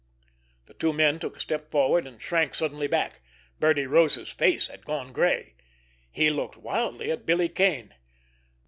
The two men took a step forward, and shrank suddenly back. Birdie Rose's face had gone gray. He looked wildly at Billy Kane.